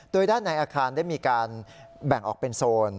โดยด้านในอาคารได้มีการแบ่งออกเป็นโซน